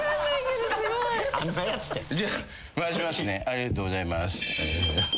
ありがとうございます。